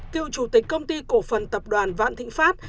cựu chủ tịch công ty cổ phần tập đoàn vạn thịnh pháp